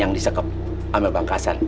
yang disekap sama bang kasar